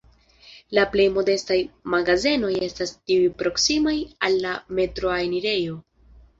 La plej modestaj magazenoj estas tiuj proksimaj al la metroa enirejo.